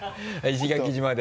石垣島で。